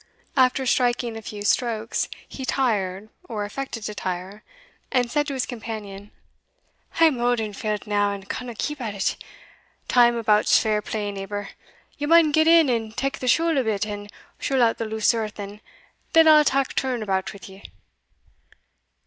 After striking a few strokes, he tired, or affected to tire, and said to his companion, "I'm auld and failed now, and canna keep at it time about's fair play, neighbour; ye maun get in and tak the shule a bit, and shule out the loose earth, and then I'll tak turn about wi' you."